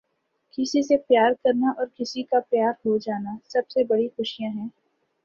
کسی سے پیار کرنا اور کسی کا پیار ہو جانا سب سے بڑی خوشیاں ہیں۔